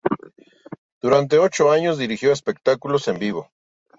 Durante ocho años dirigió espectáculos en vivo.